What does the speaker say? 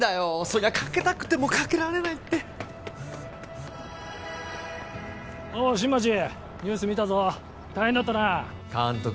そりゃかけたくてもかけられないっておう新町ニュース見たぞ大変だったな監督